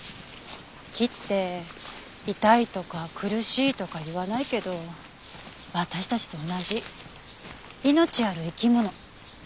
木って痛いとか苦しいとか言わないけど私たちと同じ命ある生き物。